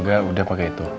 nggak udah pake itu